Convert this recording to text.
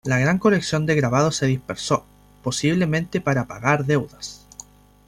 La gran colección de grabados se dispersó, posiblemente para pagar deudas.